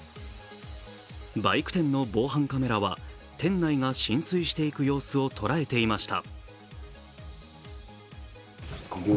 バイク店の防犯カメラは店内が浸水していく様子を捉えていました。